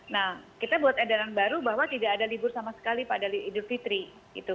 nah kita buat edaran baru bahwa tidak ada libur sama sekali pada idul fitri gitu